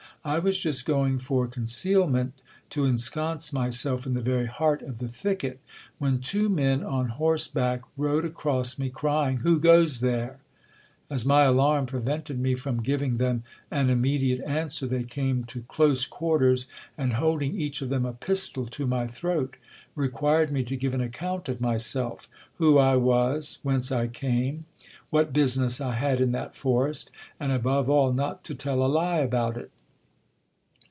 I was just going for conceal ment to ensconce myself in the very heart of the thicket, when two men on horseback rode across me, crying, Who goes there ? As my alarm prevented me from giving them an immediate answer, they came to close quarters, and hold ing each of them a pistol to my throat, required me to give m )unt of myself; who I was, whence I came, what business I had in chat est, and above all, not to tell a lie about it.